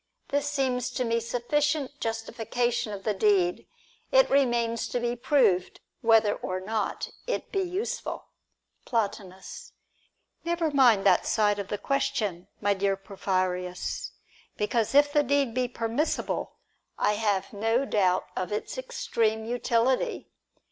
This seems to me sufficient justification of the deed. It remains to be proved whether or not it be useful. Plotinus. Never mind that side of the question, my dear Porphyrins, because if the deed be permissible, I have no doubt of its extreme utility.